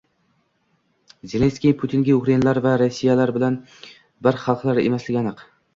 Zelenskiy Putinga: ukrainlar va rossiyaliklar bir xalq emasligi aniq